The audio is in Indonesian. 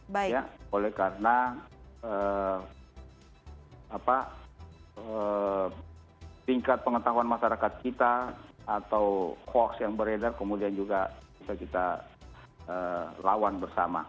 ya oleh karena tingkat pengetahuan masyarakat kita atau hoax yang beredar kemudian juga bisa kita lawan bersama